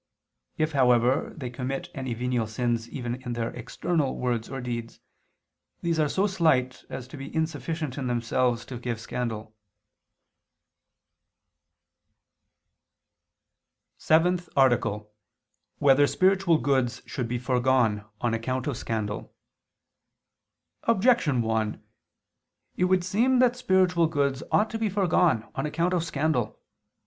If, however, they commit any venial sins even in their external words or deeds, these are so slight as to be insufficient in themselves to give scandal. _______________________ SEVENTH ARTICLE [II II, Q. 43, Art. 7] Whether Spiritual Goods Should Be Foregone on Account of Scandal? Objection 1: It would seem that spiritual goods ought to be foregone on account of scandal.